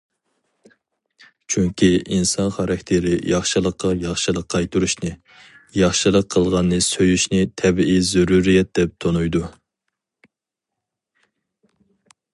چۈنكى ئىنسان خاراكتېرى ياخشىلىققا ياخشىلىق قايتۇرۇشنى، ياخشىلىق قىلغاننى سۆيۈشنى تەبىئىي زۆرۈرىيەت دەپ تونۇيدۇ.